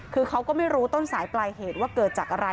คือเขาก็ไม่รู้ต้นสายปลายเหตุว่าเกิดจากอะไร